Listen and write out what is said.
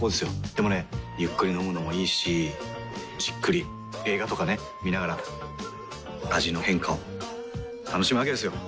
でもねゆっくり飲むのもいいしじっくり映画とかね観ながら味の変化を楽しむわけですよ。